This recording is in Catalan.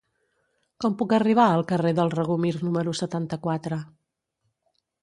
Com puc arribar al carrer del Regomir número setanta-quatre?